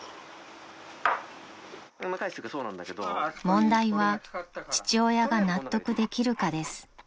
［問題は父親が納得できるかです］